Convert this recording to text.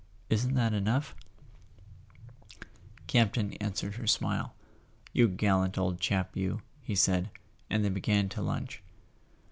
Isn't that enough ?" Campton answered her smile. "You gallant old chap, you!" he said; and they began to lunch.